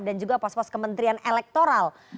juga pos pos kementerian elektoral